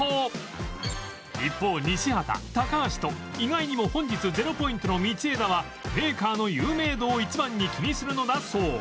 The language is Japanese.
一方西畑高橋と意外にも本日ゼロポイントの道枝はメーカーの有名度を１番に気にするのだそう